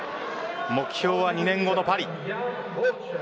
目標は２年後のパリ。